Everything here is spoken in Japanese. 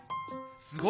すごい！